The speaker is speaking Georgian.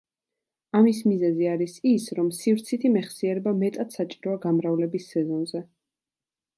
ამის მიზეზი არის ის, რომ სივრცითი მეხსიერება მეტად საჭიროა გამრავლების სეზონზე.